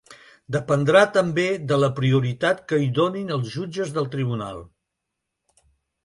Dependrà també de la prioritat que hi donin els jutges del tribunal.